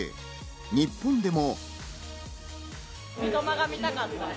日本でも。